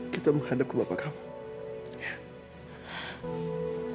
kita menghadap ke bapak kamu